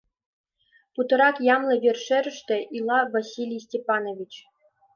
Путырак ямле вер-шӧрыштӧ ила Василий Степанович.